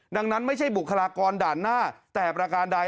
ดังนั้นไม่ใช่บุคลากรด่านหน้าแต่ประการใด